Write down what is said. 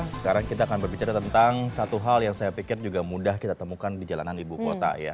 sekarang kita akan berbicara tentang satu hal yang saya pikir juga mudah kita temukan di jalanan ibu kota ya